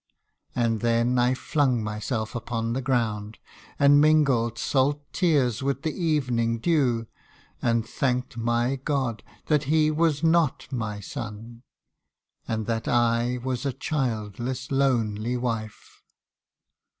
And then I flung myself upon the ground, And mingled salt tears with the evening dew ; And thanked my God that he was not my son ; And that I was a childless, lonely wife.